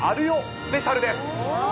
スペシャルです。